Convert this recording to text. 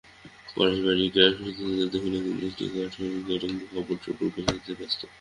পরেশের বাড়ি গিয়া সুচরিতা দেখিল, তিনি একটা কাঠের তোরঙ্গে কাপড়চোপড় গোছাইতে ব্যস্ত।